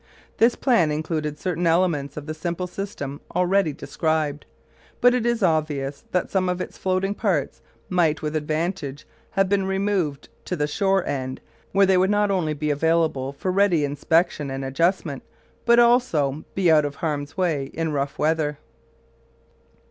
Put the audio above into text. This plan included certain elements of the simple system already described; but it is obvious that some of its floating parts might with advantage have been removed to the shore end, where they would not only be available for ready inspection and adjustment, but also be out of harm's way in rough weather.